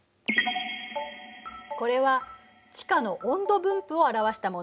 これは地下の温度分布を表したもの。